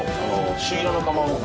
朱色のかまぼこ。